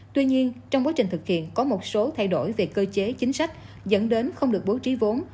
tuy nhiên trong quá trình thực hiện có một số thay đổi về cơ chế chính sách dẫn đến không được bố trí vốn